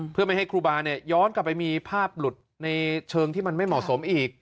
เพื่อไม่ให้ครูบาย้อนกลับไปมีภาพหลุดในเชิงที่มันไม่เหมาะสมอีก